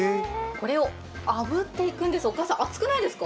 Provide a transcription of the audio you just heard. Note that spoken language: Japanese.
これをあぶっていくんです、お母さん、熱くないですか？